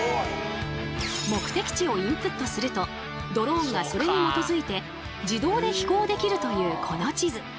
目的地をインプットするとドローンがそれに基づいて自動で飛行できるというこの地図。